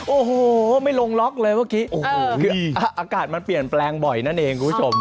โอ้โหไม่ลงล็อคแล้วเมื่อกี้น่ะคุณผู้ชม